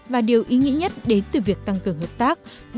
và điều ý nghĩa nhất đến từ việc tăng cường hợp tác